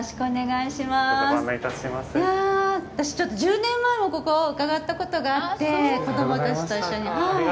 いや、私ちょっと１０年前もここ、伺ったことがあって子供たちと一緒に。